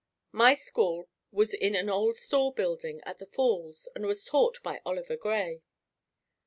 My school was in an old store building at the falls and was taught by Oliver Gray.